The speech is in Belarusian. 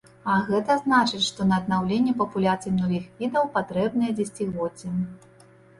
А гэта значыць, што на аднаўленне папуляцый многіх відаў патрэбныя дзесяцігоддзі.